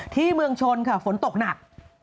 ที่เมืองชนค่ะฝนตกหนัก